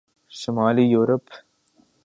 شمالی یورپ